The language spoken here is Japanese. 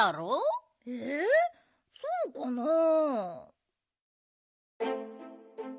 えそうかなあ？